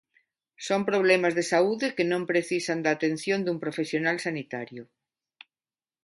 Son problemas de saúde que non precisan da atención dun profesional sanitario.